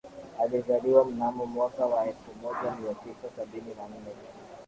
Alizaliwa mnamo mwaka wa elfu moja mia tisa sabini na nane